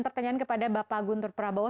pertanyaan kepada bapak guntur prabowo